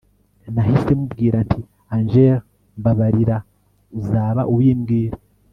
nahise mubwira nti Angel mbabarira uzaba ubimbwira